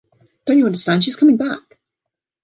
Don't you understand, she's coming back!